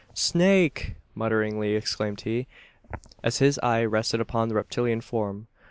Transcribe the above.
"Snake!" mutteringly exclaimed he, as his eye rested upon the reptilian form.